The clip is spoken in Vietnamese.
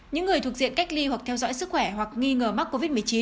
những người thuộc diện cách ly hoặc theo dõi sức khỏe hoặc nghi ngờ mắc covid một mươi chín